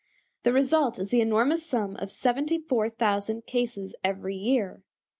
_The result is the enormous sum of seventy four thousand cases every year!